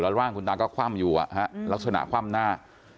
ร่างคุณตาก็คว่ำอยู่ลักษณะคว่ำหน้า